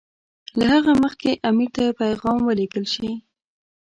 له هغه مخکې امیر ته یو پیغام ولېږل شي.